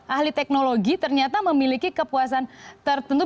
ahli teknologi ternyata memiliki kepuasan tertentu